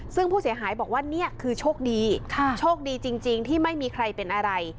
ซึ่งผู้เสียหายบอกว่านี่คือโชคดีโชคดีจริงที่ไม่มีใครเป็นอะไร